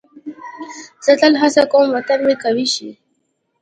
زه تل هڅه کوم وطن مې قوي شي.